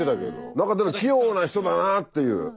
何か器用な人だっていう。